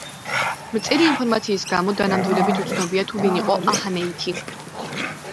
მწირი ინფორმაციის გამო, დანამდვილებით უცნობია თუ ვინ იყო აჰანეითი.